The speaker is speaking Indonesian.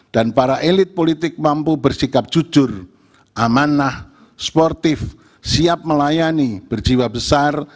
dan para elit politik mampu bersikap jujur amanah sportif siap melayani berjiwa besar